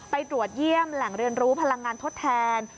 ตรวจเยี่ยมแหล่งเรียนรู้พลังงานทดแทน